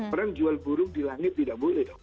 orang jual burung di langit tidak boleh dong